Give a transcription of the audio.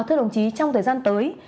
thưa đồng chí trong thời gian tới